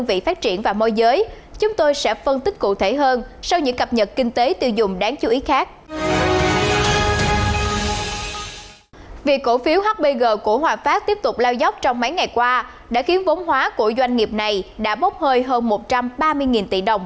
đã khiến vốn hóa của doanh nghiệp này đã bốc hơi hơn một trăm ba mươi tỷ đồng